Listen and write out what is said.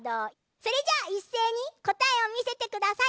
それじゃあいっせいにこたえをみせてください。